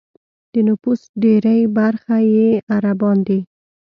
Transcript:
د نفوس ډېری برخه یې عربان دي.